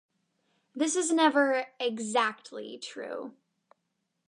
This is never "exactly" true.